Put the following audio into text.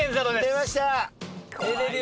出ました。